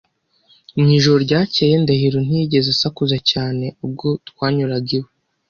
Mu ijoro ryakeye, Ndahiro ntiyigeze asakuza cyane ubwo twanyuraga iwe.